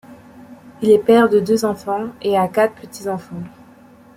Il est père de deux enfants et a quatre petits enfants.